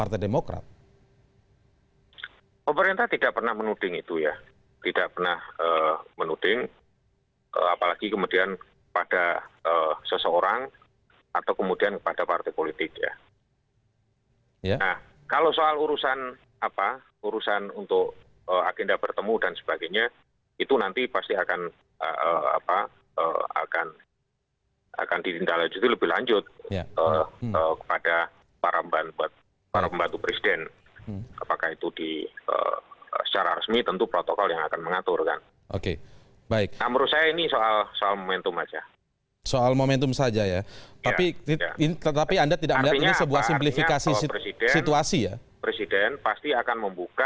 tetapi inisiatif harus berasal dari presiden